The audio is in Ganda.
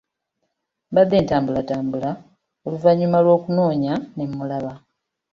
Mbadde ntambulatambula oluvannyuma lw'okunoonya ne mulaba.